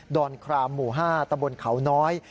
อนครามหมู่๕ตะบนเขาน้อย